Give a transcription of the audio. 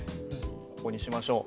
ここにしましょう。